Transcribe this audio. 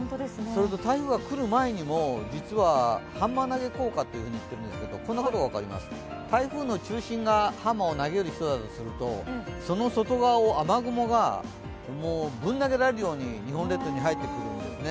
台風が来る前にも、実はハンマー投げ効果といっているんですが台風の中心がハンマーを投げる人だとすると、その外側を雨雲がぶん投げられるように日本列島に入ってくるんですね。